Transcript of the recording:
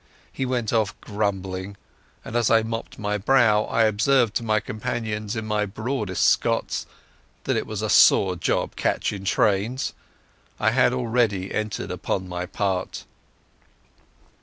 He went off grumbling, and as I mopped my brow I observed to my companions in my broadest Scots that it was a sore job catching trains. I had already entered upon my part.